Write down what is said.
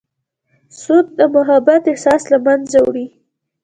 سود د محبت احساس له منځه وړي.